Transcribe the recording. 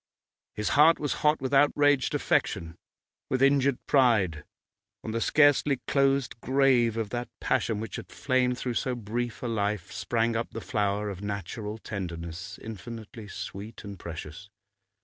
His heart was hot with outraged affection, with injured pride. On the scarcely closed grave of that passion which had flamed through so brief a life sprang up the flower of natural tenderness, infinitely sweet and precious.